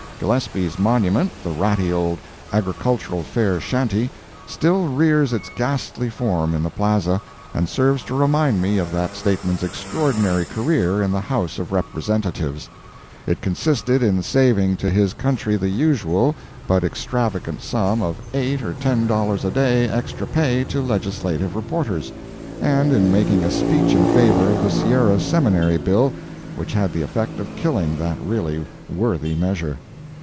Gillespie's monument—the ratty old Agricultural Fair shanty—still rears its ghastly form in the plaza, and serves to remind me of that statesman's extraordinary career in the House of Representatives. It consisted in saving to his country the usual, but extravagant sum of eight or ten dollars a day extra pay to Legislative reporters, and in making a speech in favor of the Sierra Seminary bill which had the effect of killing that really worthy measure.